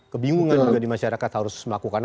kebingungan juga di masyarakat harus melakukan